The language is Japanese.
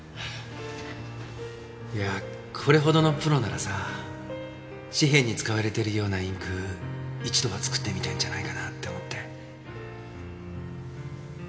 いやこれほどのプロならさ紙幣に使われてるようなインク一度は作ってみたいんじゃないかなって思って。